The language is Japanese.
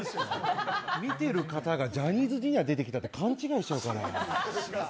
見てる方がジャニーズＪｒ．出てきたって勘違いしちゃうから。